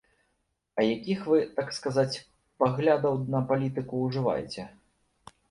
— А якіх вы, так сказаць, паглядаў на палітыку ўжываеце?